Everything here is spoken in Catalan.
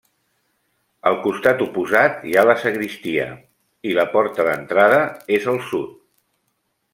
Al costat oposat hi ha la sagristia, i la porta d'entrada és al sud.